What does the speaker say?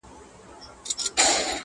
له بېلتونه پنا وړي د جانان غېږ ته ,